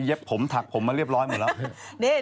จากกระแสของละครกรุเปสันนิวาสนะฮะ